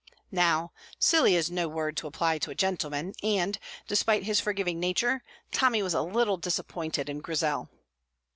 Now "silly" is no word to apply to a gentleman, and, despite his forgiving nature, Tommy was a little disappointed in Grizel.